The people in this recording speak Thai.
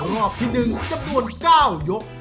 รอบที่๑จำนวน๙ยก